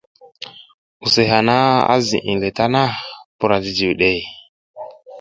Use hana a ziʼinle tana, pura jijiwiɗey.